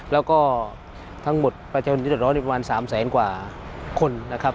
แล้วก็ทั้งหมดประชาชนที่เดือดร้อนอีกประมาณ๓แสนกว่าคนนะครับ